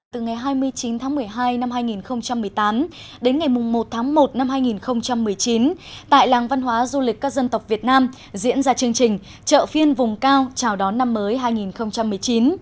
từ ngày hai mươi chín tháng một mươi hai năm hai nghìn một mươi tám đến ngày một tháng một năm hai nghìn một mươi chín tại làng văn hóa du lịch các dân tộc việt nam diễn ra chương trình chợ phiên vùng cao chào đón năm mới hai nghìn một mươi chín